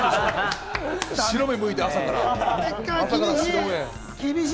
白目むいて、朝から。